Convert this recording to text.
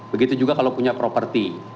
begitu juga kalau punya properti